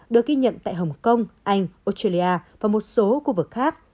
được ghi nhận tại hồng kông anh australia và một số khu vực khác